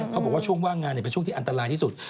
เขาบอกว่าช่วงว่างงานเป็นช่วงที่อันตรายที่สุด